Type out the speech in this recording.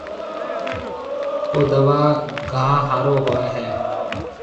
ڪو دوا گاها هارون هوئي هيَ۔